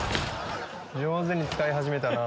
上手に使い始めたな。